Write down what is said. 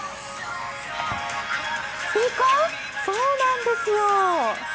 そうなんですよ。